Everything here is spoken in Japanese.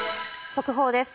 速報です。